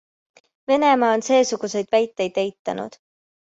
Venemaa on seesuguseid väiteid eitanud.